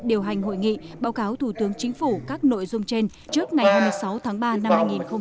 điều hành hội nghị báo cáo thủ tướng chính phủ các nội dung trên trước ngày hai mươi sáu tháng ba năm hai nghìn hai mươi